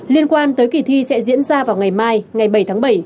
liên quan tới kỳ thi sẽ diễn ra vào ngày mai ngày bảy tháng bảy